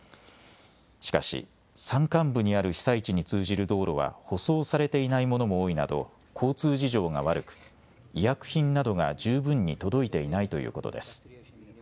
しかし山間部にある被災地に通じる道路は舗装されていないものも多いなど交通事情が悪く医薬品などが十分に届いていないということです。